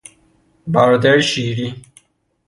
برادر شیری